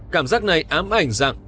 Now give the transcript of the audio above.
cảm giác này ám ảnh rằng